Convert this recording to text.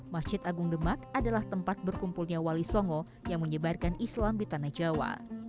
masjid agung demak adalah tempat berkumpulnya wali songo yang menyebarkan islam di tanah jawa